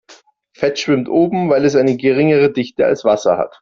Fett schwimmt oben, weil es eine geringere Dichte als Wasser hat.